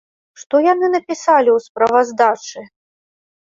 Што яны напісалі ў справаздачы?